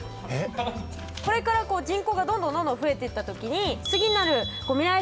これから人口がどんどんどんどん増えてった時に次なる未来